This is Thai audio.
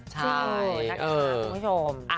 ใช่นะคะคุณผู้ชม